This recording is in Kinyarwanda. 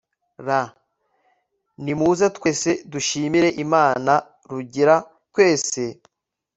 r/ nimuze twese dushimire imana; rugira twese